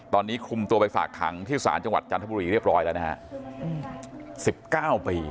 ตอนนี้คุมตัวไปฝากขังที่ศาลจังหวัดจันทบุรีเรียบร้อยแล้วนะฮะ๑๙ปี